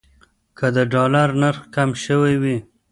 که د ډالر نرخ کم شوی وي.